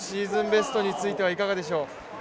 ベストについてはいかがでしょう？